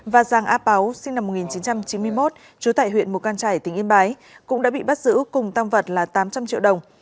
và giàng áp áo sinh năm một nghìn chín trăm chín mươi một chú tại huyện mộc căn trải tỉnh yên bái cũng đã bị bắt giữ cùng tăng vật là tám trăm linh triệu đồng